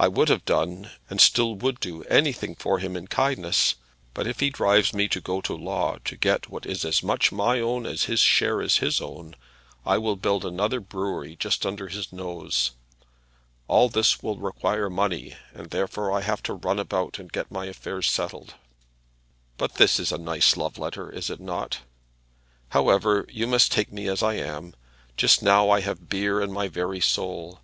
I would have done, and still would do, anything for him in kindness; but if he drives me to go to law to get what is as much my own as his share is his own, I will build another brewery just under his nose. All this will require money, and therefore I have to run about and get my affairs settled. But this is a nice love letter, is it not? However, you must take me as I am. Just now I have beer in my very soul.